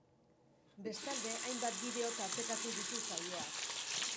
Bestalde, hainbat bideo tartekatuko ditu saioak.